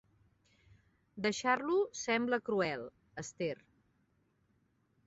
Deixar-lo sembla cruel, Esther.